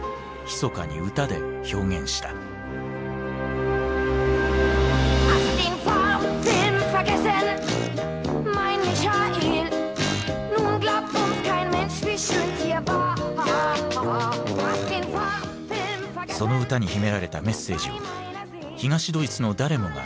その歌に秘められたメッセージは東ドイツの誰もが理解していた。